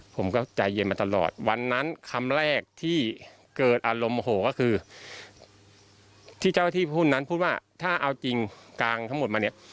ผมก็ใจเย็นมาตลอดวันนั้นคำแรกที่เกิดอารมณ์โหก็คือที่เจ้าหน้าที่พูดนั้นพูดว่าถ้าเอาจริงกางทั้งหมดมาเนี่ย